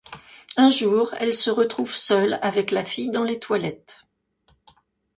Un jour, elle se retrouve seule avec la fille dans les toilettes.